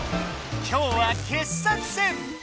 今日は傑作選！